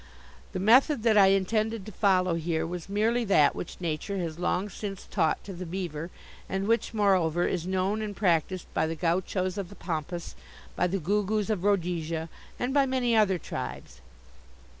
The method that I intended to follow here was merely that which Nature has long since taught to the beaver and which, moreover, is known and practised by the gauchos of the pampas, by the googoos of Rhodesia and by many other tribes.